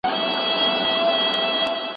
سړی باید په سپینو جامو کې له ظلم څخه ډډه کړې وای.